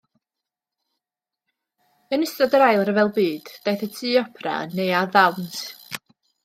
Yn ystod yr Ail Ryfel Byd daeth y Tŷ Opera yn neuadd ddawns.